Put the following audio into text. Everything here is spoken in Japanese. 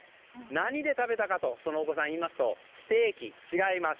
何で食べたかとお子さんが言いますとステーキ？違います。